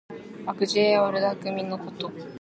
悪知恵や悪だくみのこと。